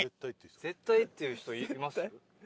絶対っていう人います？